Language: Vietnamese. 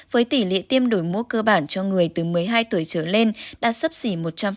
với tỷ lệ tiêm đổi mũ cơ bản cho người từ một mươi hai tuổi trở lên đã sấp xỉ một trăm linh